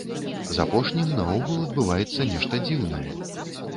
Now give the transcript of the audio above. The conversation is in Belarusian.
З апошнім наогул адбываецца нешта дзіўнае.